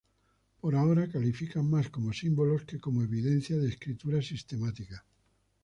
Por ahora, califican más como símbolos que como evidencia de escritura sistemática.